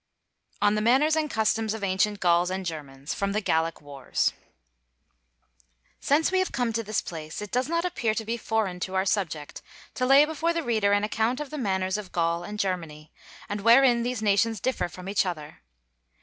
ON THE MANNERS AND CUSTOMS OF ANCIENT GAULS AND GERMANS From 'The Gallic Wars' Since we have come to this place, it does not appear to be foreign to our subject to lay before the reader an account of the manners of Gaul and Germany, and wherein these nations differ from each other.